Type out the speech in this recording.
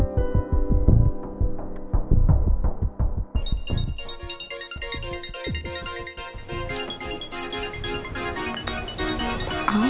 nggak ada nanti